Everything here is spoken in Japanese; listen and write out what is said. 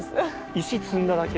石積んだだけ？